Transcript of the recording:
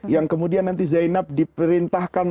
yang kemudian nanti zainab diperintahkan